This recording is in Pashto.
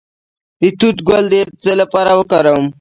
د توت ګل د څه لپاره وکاروم؟